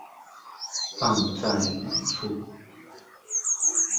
放在某處